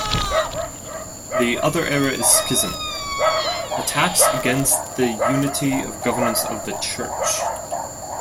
The other error is schism, attacks against the unity of governance of the Church.